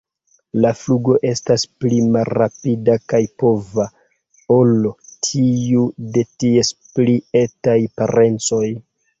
La flugo estas pli malrapida kaj pova ol tiu de ties pli etaj parencoj.